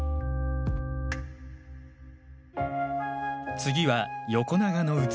次は横長の器。